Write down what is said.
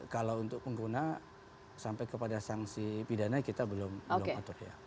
kalau untuk pengguna sampai kepada sanksi pidana kita belum atur ya